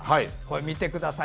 見てください。